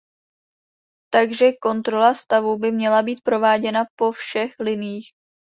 Takže kontrola stavu by měla být prováděna po všech liniích.